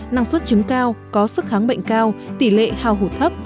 năng suất trứng cao có sức kháng bệnh cao tỷ lệ hào hụt thấp